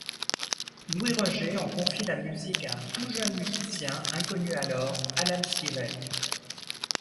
Louis-Roger en confie la musique à un tout jeune musicien inconnu alors, Alan Stivell.